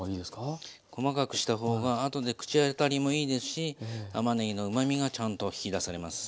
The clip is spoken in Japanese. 細かくした方が後で口当たりもいいですしたまねぎのうまみがちゃんと引き出されます。